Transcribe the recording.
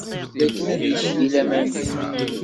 Nwan dakken ad ilin deg laman din.